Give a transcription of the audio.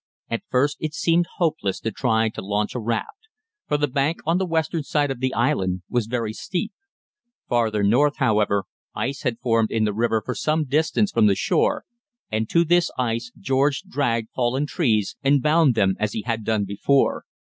At first it seemed hopeless to try to launch a raft; for the bank on the western side of the island was very steep. Farther north, however, ice had formed in the river for some distance from the shore, and to this ice George dragged fallen trees and bound them as he had done before.